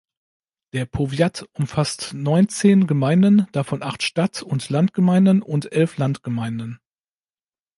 Der Powiat umfasst neunzehn Gemeinden, davon acht Stadt-und-Land-Gemeinden und elf Landgemeinden.